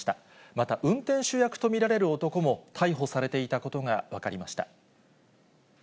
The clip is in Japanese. また、運転手役と見られる男も逮捕されていたことが分かりました。